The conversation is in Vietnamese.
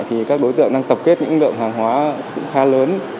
thì các đối tượng đang tập kết những lượng hàng hóa cũng khá lớn